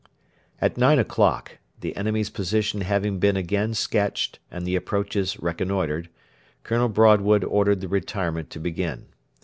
At nine o'clock, the enemy's position having been again sketched and the approaches reconnoitred, Colonel Broadwood ordered the retirement to begin.